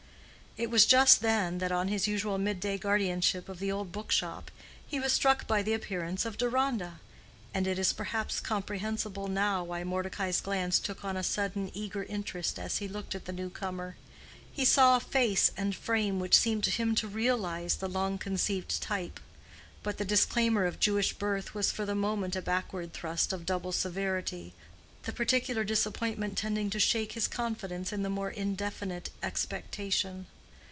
It was just then that, in his usual midday guardianship of the old book shop, he was struck by the appearance of Deronda, and it is perhaps comprehensible now why Mordecai's glance took on a sudden eager interest as he looked at the new comer: he saw a face and frame which seemed to him to realize the long conceived type. But the disclaimer of Jewish birth was for the moment a backward thrust of double severity, the particular disappointment tending to shake his confidence in the more indefinite expectation.